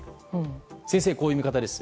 先生はこういう見方です。